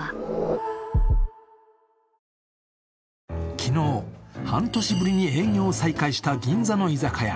昨日、半年ぶりに営業を再開した銀座の居酒屋。